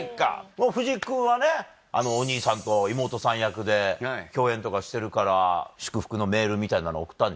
もう藤木君はねお兄さんと妹さん役で共演とかしてるから祝福のメールみたいなの送ったんでしょ。